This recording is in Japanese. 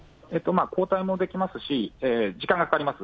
抗体も出来ますし、時間がかかります。